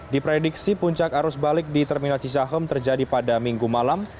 diprediksi puncak arus balik di terminal cicahem terjadi pada minggu malam